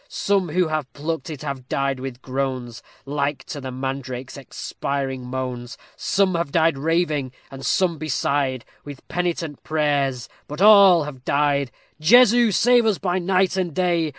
Some who have plucked it have died with groans, Like to the mandrake's expiring moans; Some have died raving, and some beside With penitent prayers but all have died. _Jesu! save us by night and day!